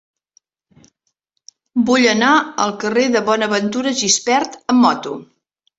Vull anar al carrer de Bonaventura Gispert amb moto.